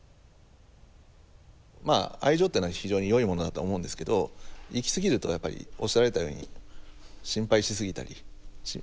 まあ愛情っていうのは非常に良いものだと思うんですけどいきすぎるとやっぱりおっしゃられたように心配しすぎたりこうバランスをですね